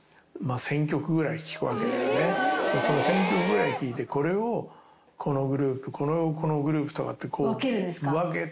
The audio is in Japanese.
１，０００曲ぐらい聴いてこれをこのグループこれをこのグループとかって分けるわけ。